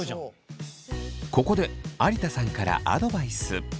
ここで有田さんからアドバイス。